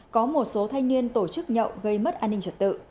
có một số thanh niên tổ chức nhậu gây mất an ninh trật tự